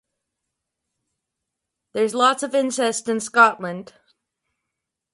Schwatka retrieved the skeletal remains and brought them to Scotland.